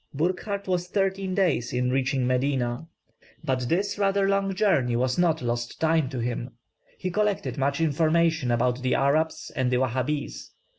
Burckhardt was thirteen days in reaching Medina. But this rather long journey was not lost time to him; he collected much information about the Arabs and the Wahabees.